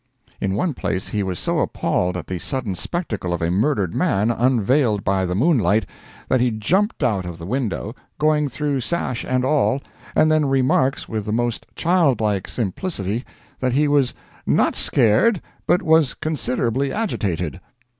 In one place he was so appalled at the sudden spectacle of a murdered man, unveiled by the moonlight, that he jumped out of the window, going through sash and all, and then remarks with the most childlike simplicity that he "was not scared, but was considerably agitated."